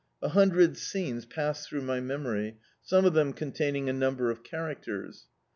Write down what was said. A hundred scenes passed through my memory, some of them containing a number of characters.